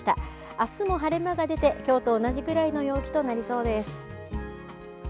あすも晴れ間が出てきょうと同じくらいの陽気となりそうです。